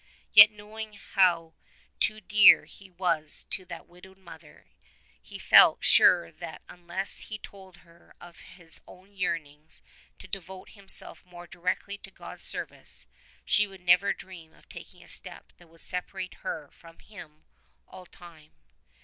Yet knowing too how dear he was to that widowed mother he felt sure that unless he told her of his own yearnings to devote himself more directly to God's service she would never dream of taking a step that would separate her from him for all time.